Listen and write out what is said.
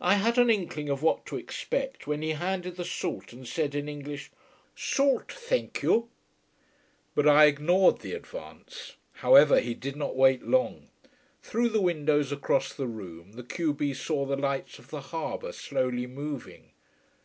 I had an inkling of what to expect when he handed the salt and said in English "Salt, thenk you." But I ignored the advance. However, he did not wait long. Through the windows across the room the q b saw the lights of the harbour slowly moving.